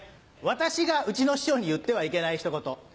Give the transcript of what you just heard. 私がうちの師匠に言ってはいけないひと言。